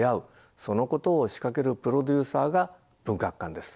そのことを仕掛けるプロデューサーが文学館です。